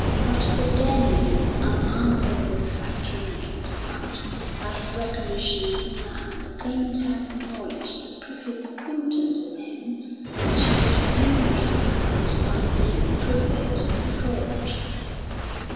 But the damning and unanswerable fact remained that, by his recognition of the man, the Claimant had acknowledged a previous acquaintance with him which he could only have had by being privy to the fraud.